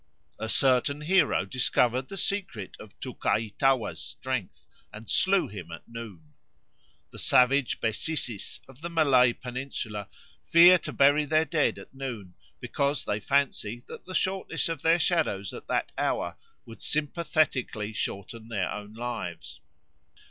A certain hero discovered the secret of Tukaitawa's strength and slew him at noon. The savage Besisis of the Malay Peninsula fear to bury their dead at noon, because they fancy that the shortness of their shadows at that hour would sympathetically shorten their own lives.